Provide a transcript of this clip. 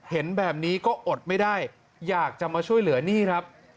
เห็นแบบนี้ก็อดไม่ได้อยากจะมาช่วยเหลือหนี้ครับ